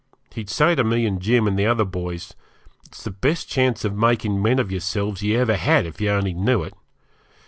He'd say to me and Jim and the other boys, 'It's the best chance of making men of yourselves you ever had, if you only knew it.